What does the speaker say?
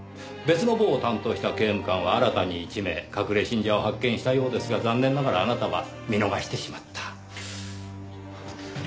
別の房を担当した刑務官は新たに１名隠れ信者を発見したようですが残念ながらあなたは見逃してしまった。